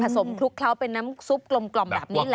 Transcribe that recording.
สมคลุกเคล้าเป็นน้ำซุปกลมแบบนี้แหละ